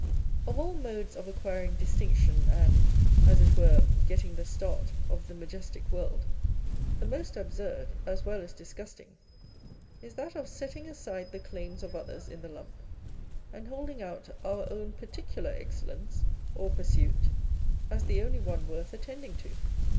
Of all modes of acquiring distinction and, as it were, " getting the start of the majestic world," the most absurd as well as disgusting is that of setting aside the claims of others in the lump, and holding out our own particular excellence or pursuit as the only one worth attending to.